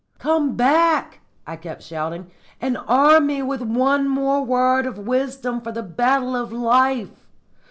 "Come back," I kept shouting, "and arm me with one more word of wisdom for the battle of life!